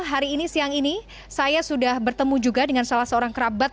hari ini siang ini saya sudah bertemu juga dengan salah seorang kerabat